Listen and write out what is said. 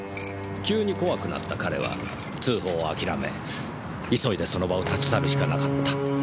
急に怖くなった彼は通報を諦め急いでその場を立ち去るしかなかった。